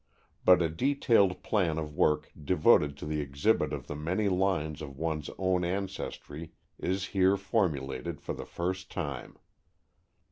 But a detailed plan of work devoted to the exhibit of the many lines of one's own ancestry is here formulated for the first time.